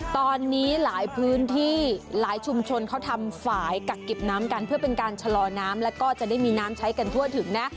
ตอนนี้หลายพื้นที่หลายชุมชนเขาทำฝ่ายกักเก็บน้ำกันเพื่อเป็นการชะลอน้ำแล้วก็จะได้มีน้ำใช้กันทั่วถึงนะ